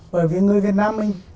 bởi vì người việt nam mình